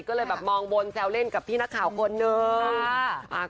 ก็เลยแบบมองบนแซวเล่นกับพี่นักข่าวคนนึง